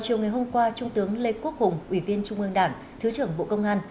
chiều ngày hôm qua trung tướng lê quốc hùng ủy viên trung ương đảng thứ trưởng bộ công an